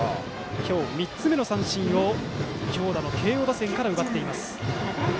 今日３つ目の三振を強打の慶応打線から奪った竹田投手。